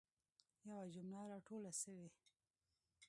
یوه جمله را توله سوي.